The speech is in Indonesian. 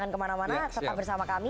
jangan kemana mana tetap bersama kami